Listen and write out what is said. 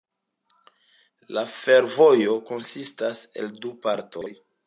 La fervojo konsistas el du partoj.